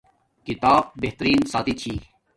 کتاب بہترین ساتھی چھی